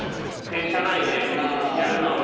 電車内でやるのは。